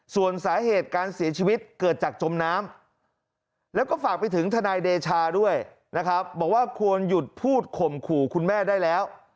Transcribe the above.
ส่วนสาเหตุการเสียชีวิตเกิดจากจมน้ำแล้วก็ฝากไปถึงทนายเดชาด้วยนะครับบอกว่าควรหยุดพูดข่มขู่คุณแม่ได้แล้ว